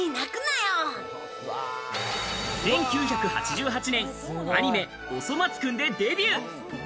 １９８８年、アニメ『おそ松くん』でデビュー。